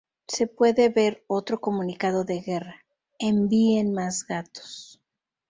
Se puede ver otro comunicado de guerra: "¡Envíen más gatos!